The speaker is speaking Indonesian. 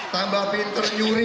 tambah pinter nyuri